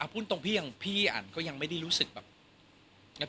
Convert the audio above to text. พูดตรงพี่อย่างพี่อันก็ยังไม่ได้รู้สึกแบบ